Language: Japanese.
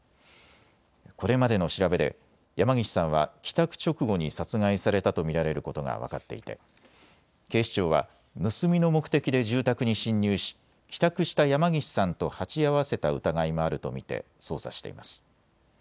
これまでの調べで山岸さんは帰宅直後に殺害されたと見られることが分かっていて警視庁は盗みの目的で住宅に侵入し帰宅した山岸さんと鉢合わせた疑いもあると見て捜査しています。